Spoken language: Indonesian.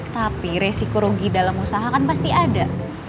tapi resiko rugi dalam usaha kan pasti ada